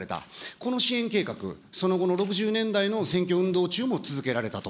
この支援計画、その後の６０年代の選挙運動中も続けられたと。